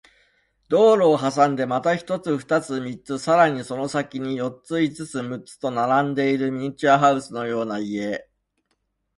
道路を挟んでまた一つ、二つ、三つ、さらにその先に四つ、五つ、六つと並んでいるミニチュアハウスのような家